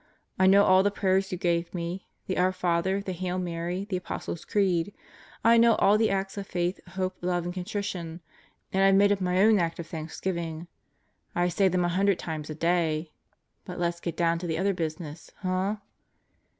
I know all the prayers you gave me: the Our Father, the Hail Mary, the Apostles' Creed. I know all the Acts of Faith, Hope, Love, and Contrition. And I've made up my own Act of Thanksgiving. I say them a hundred times a day. But let's get down to the other business, huh?"